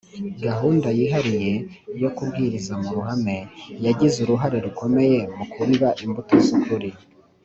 Gahunda yihariye yo kubwiriza mu ruhame yagize uruhare rukomeye mu kubiba imbuto z ukuri